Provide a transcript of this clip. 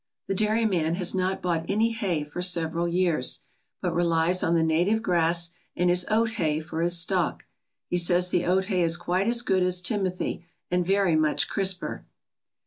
The dairyman has not bought any hay for several years, but relies on the native grass and his oat hay for his stock. He says the oat hay is quite as good as timothy, and very much crisper.